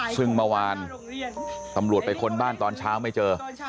ซึ่งเมื่อวานตำรวจไปค้นบ้านตอนเช้าไม่เจอ